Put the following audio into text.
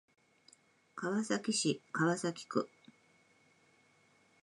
川崎市川崎区